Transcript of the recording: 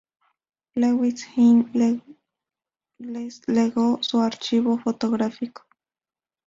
Lewis Hine les legó su archivo fotográfico.